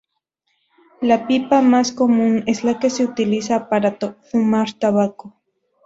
La pipa más común es la que se utiliza para fumar tabaco.